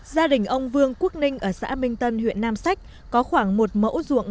gia đình ông vương quốc ninh ở xã minh tân huyện nam sách có khoảng một mẫu ruộng